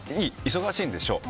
忙しいんでしょう。